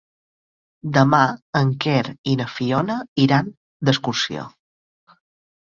Demà en Quer i na Fiona iran d'excursió.